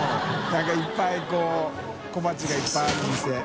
燭いっぱいこう小鉢がいっぱいある店。